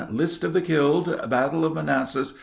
List of the killed! Battle of Manassas!